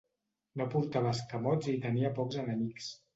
No portava escamots i tenia pocs enemics.